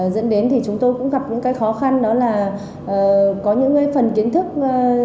dẫn đến thì chúng tôi cũng gặp những cái khó khăn đó là có những cái phần kiến thức chúng tôi cũng phải tìm hiểu thêm